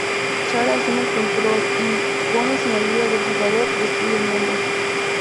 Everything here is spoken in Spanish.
Chara asume el control y, con o sin ayuda del jugador, destruye el mundo.